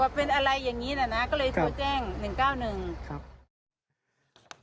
เป็นอะไรอย่างนี้แหละนะก็เลยโทรแจ้ง๑๙๑ครับ